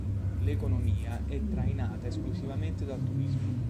L'economia è trainata esclusivamente dal turismo.